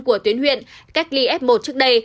của tuyến huyện cách ly f một trước đây